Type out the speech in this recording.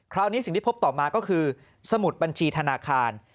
คราวนี้สิ่งที่พบต่อมาก็คือสมุดบัญชีธนาคาร